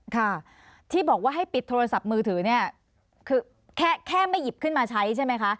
ค่ะที่บอกว่าให้ปิดโทรศัพท์มือถือเนี่ยคือแค่แค่ไม่หยิบขึ้นมาใช้ใช่ไหมคะ